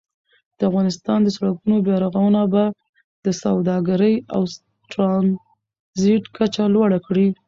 د افغانستان د سړکونو بیا رغونه به د سوداګرۍ او ترانزیت کچه لوړه کړي.